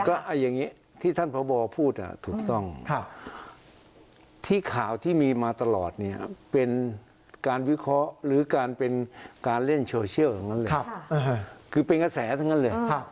ก็อย่างนี้ที่ท่านพบพูดถูกต้องที่ข่าวที่มีมาตลอดเนี่ยเป็นการวิเคราะห์หรือการเป็นการเล่นโซเชียลอย่างนั้นเลยคือเป็นกระแสทั้งนั้นเลย